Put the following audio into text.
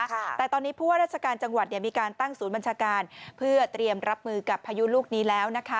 แต่ตอนนี้ผู้ว่าราชการจังหวัดเนี่ยมีการตั้งศูนย์บัญชาการเพื่อเตรียมรับมือกับพายุลูกนี้แล้วนะคะ